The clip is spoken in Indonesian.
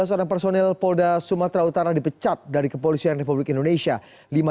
dua belas orang personil polda sumatera utara dipecat dari kepolisian republik indonesia